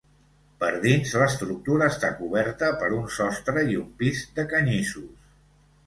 Per dins l'estructura està coberta per un sostre i un pis de canyissos.